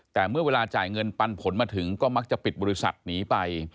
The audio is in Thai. แต่เมื่อเวลาจ่ายเงินปันผลมาถึงก็มักจะปิดบริษัทหนีไป